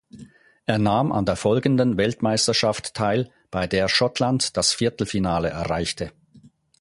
Er nahm an der folgenden Weltmeisterschaft teil, bei der Schottland das Viertelfinale erreichte.